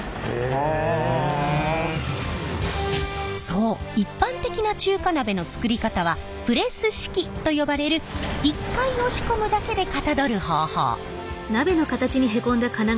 そう一般的な中華鍋の作り方はプレス式と呼ばれる１回押し込むだけでかたどる方法。